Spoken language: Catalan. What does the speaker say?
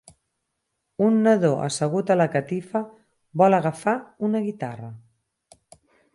Un nadó assegut a la catifa vol agafar una guitarra.